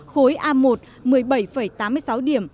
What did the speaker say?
khối a một một mươi bảy tám mươi sáu điểm